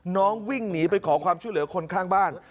วิ่งหนีไปขอความช่วยเหลือคนข้างบ้าน